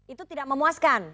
itu tidak memuaskan